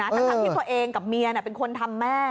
ทั้งที่ตัวเองกับเมียเป็นคนทำแม่